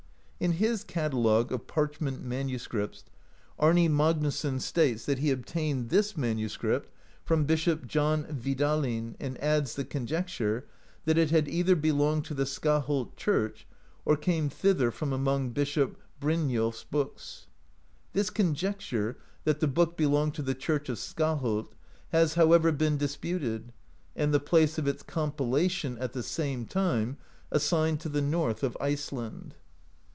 In his catalogue of parchment manuscripts, Ami Magnusson states that he obtained this manuscript from 23 AMERICA DISCOVERED BY NORSEMEN Bishop John Vidalin and adds the conjecture, that it had either belonged to the Skaholt Church, or came thither from among Bishop Bryniolf s books. This conjecture, that the book belonged to the Church of Skaholt, has, however, been disputed, and the place of its compilation, at the same time, assigned to the north of Iceland.